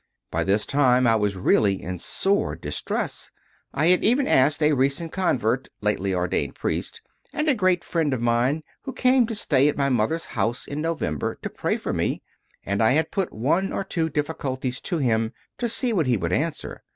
By this time I was really in sore distress. I had even asked a recent convert, lately ordained priest, and a great friend of mine, who came to stay at my mother s house in November, to pray for me, and I had put one or two difficulties to him to see what he would answer.